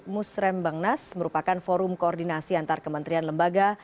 musrembangnas merupakan forum koordinasi antar kementerian lembaga